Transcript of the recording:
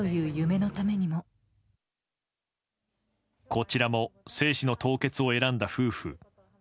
こちらも精子の凍結を選んだ夫婦。